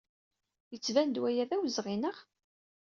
Yettban-d waya d awezɣi, naɣ?